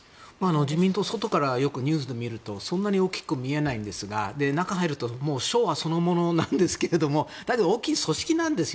自民党外から見るとそんなに大きく見えないんですが中に入ると昭和そのものなんですがだけど、大きい組織なんです。